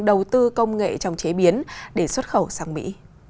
đầu tư công nghệ trong chế biến để xuất khẩu sang mỹ